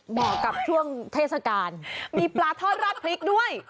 เหมาะกับช่วงเทศกาลมีปลาทอดราดพริกด้วย